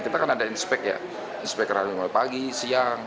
kita kan ada inspek ya inspek runway pagi siang